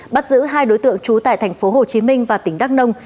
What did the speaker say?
bắt giữ hai đối tượng trú tại thành phố hồ chí minh và tỉnh đắk nông